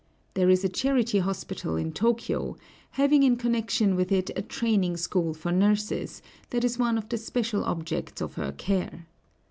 There is a charity hospital in Tōkyō, having in connection with it a training school for nurses, that is one of the special objects of her care.